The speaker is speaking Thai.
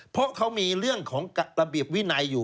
เพราะเขามีเรื่องของระเบียบวินัยอยู่